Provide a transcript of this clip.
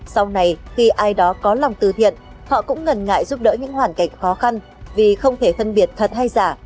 sau này khi ai đó có lòng từ thiện họ cũng ngần ngại giúp đỡ những hoàn cảnh khó khăn vì không thể phân biệt thật hay giả